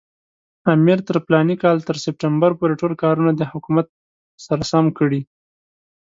امیر تر فلاني کال تر سپټمبر پورې ټول کارونه د حکومت سره سم کړي.